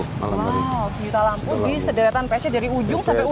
sejuta lampu di sederetan psc